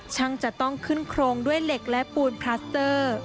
ช่างจะต้องขึ้นโครงด้วยเหล็กและปูนพลัสเตอร์